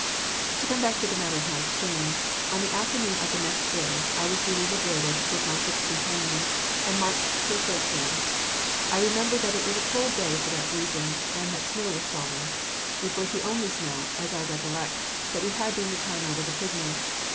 To come back to the matter of my exchange, on the afternoon of the next day I was duly liberated, with my six companions, and marched to a freight train. I remember that it was a cold day for that region, and that snow was falling. It was the only snow, as I recollect, that we had during the time I was a prisoner.